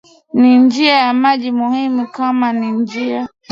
ni njia ya maji muhimu Kama ni njia